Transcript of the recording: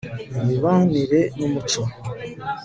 imibanire n'umuco